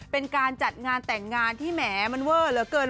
เป็นการจัดงานแต่งงานที่แหมมันเวอร์เหลือเกิน